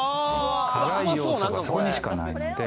辛い要素がそこにしかないんで。